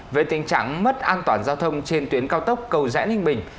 về tình trạng mất an toàn giao thông trên tuyến cao tốc cầu rẽ ninh bình